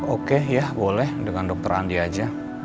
oke ya boleh dengan dr andi aja